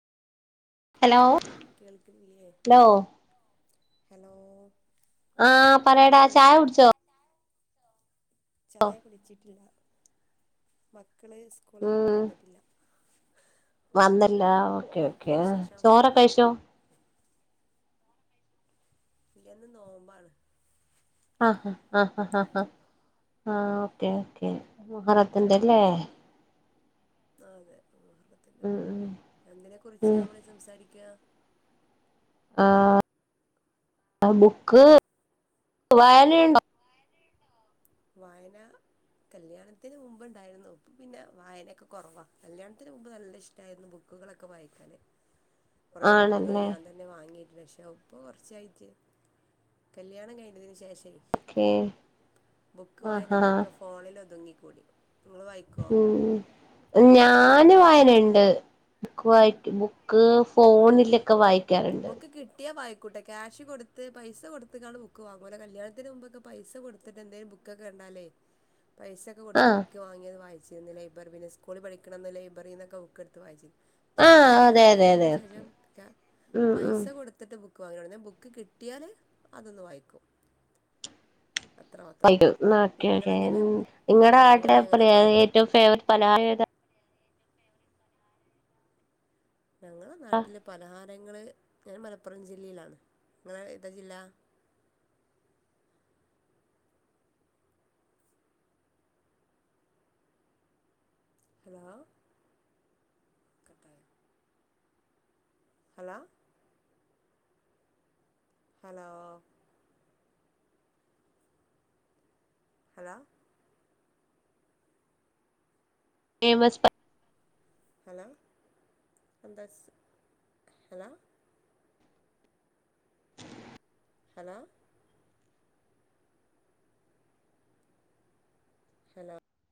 hello കേൾക്കുന്നില്ലേ hello hello ആ പറേടാ കേൾക്കുന്നുണ്ടോ ചായ കുടിച്ചോ ചായ കുടിച്ചിട്ടില്ല മക്ക മക്കള് സ്കൂള് വിട്ട് ഉം വന്നിട്ടില്ല അന്നല്ലാർ ഓക്കെ എന്താ ഓക്കെ വിശേഷം ചോറൊക്കെ കഴിച്ചോ ഇല്ല ന്ന് നോമ്പാണ് ആഹഹാ ആ ആ ആഹ ഓക്കേ ഓക്കേ മുഹറാത്തിന്റെല്ലേ ആ അതെ മുഹർത്തിന്റെ ഉം ഉം എന്തിനെക്കുറിച്ചാ ഉം നമ്മള് സംസാരിക്കുക ആ ബുക്ക് വായനയുണ്ടോ വായന കല്യാണത്തിന് മുമ്പ് ഇണ്ടായിരുന്നു പിന്നെ വായനയൊക്കെ കുറവാ കല്യാണത്തിന് മുമ്പ് നല്ല ഇഷ്ടായിരുന്നു ബുക്കുകളൊക്കെ വായിക്കാന് കുറേ ബുക്കുകൾ ആണല്ലേ ഞാൻ തന്നെ വാങ്ങിട്ട് പക്ഷേ ഇപ്പ കുറച്ചായിട്ട് കല്യാണം കഴിഞ്ഞതിന് ശേഷേ ഓക്കേ ബുക്ക് വായനല്ലേ ഒക്കെ ഫോണില ഒതുങ്ങി കൂടി ഉം ഞാൻ ഞാന് വായനയുണ്ട് ബുക്ക് വായിട്ട ബുക്ക് ഫോണിലൊക്കെ വായിക്കാറുണ്ട് കുട്ടെ ക്യാഷ് കൊടുത്ത് പൈസ കൊടുത്ത്കാണ്ട് ബുക്ക് വാങ്ങൂല കല്യാണത്തിന് മുമ്പൊക്കെ പൈസ കൊടുത്തിട്ട് ന്തേലും ബുക്കൊക്കെ ക ണ്ടാലേ പൈസൊക്കെ കൊടുത്ത് ആഹ് ബുക്ക് വാങ്ങിയത് വായി ന്ന് ലൈബർ പിന്നെ സ്കൂൾ പഠിക്കണന്ന് ലൈബറീന്നൊക്കെ ബുക്കെട്ത്ത് വായ്ചീനി ഷേ പോ ആഹ് അതെ കല്യാണം അതെ കഴിഞ്ഞീനി അതെ [unintelligible] ഓക്കെ ലും ക ഉം ഉം പൈസ കൊടുത്തിട്ട് ബു പോലൊട്ന്നെ ബുക്ക് കിട്ട്യാല് അതൊന്ന് വായിക്കും അത്രമാത്രം ഓക്കേകേ നിങ്ങളെങ്ങനെ നിങ്ങടെ നോവല് നാട്ടിലെ അങ്ങനെയൊക്കെ വായിക്കുവോ ഏറ്റവും ഫേവറേറ്റ് പലഹാരം ഏതാ ഞങ്ങളെ നാട്ടില് പലഹാരങ്ങള് ഞാൻ മലപ്പുറം ജില്ലീലാണ് നിങ്ങള് ഏ താ ജില്ല ഹലോ ഹലോ ഹലോ ഹലോ നയ്മസ് പ ഹലോ ന്താ സ് ഹലോ ഹലോ ഹലോ